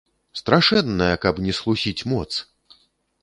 Страшэнная, каб не схлусіць, моц!